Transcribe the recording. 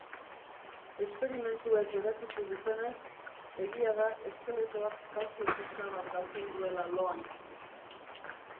esperimentuek erakutsi dutenez, egia da eskeletoak kaltzio puska bat galtzen duela loan.